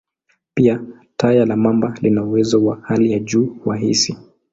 Pia, taya la mamba lina uwezo wa hali ya juu wa hisi.